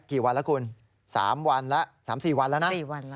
กี่วันแล้วคุณ๓๔วันแล้วนะ